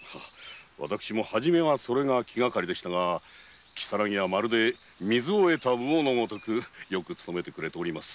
私もはじめはそれが気がかりでしたが如月はまるで水を得た魚の如くよく勤めてくれております。